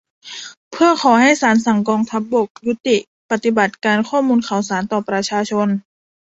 เพื่อขอให้ศาลสั่งกองทัพบกยุติปฏิบัติการข้อมูลข่าวสารต่อประชาชน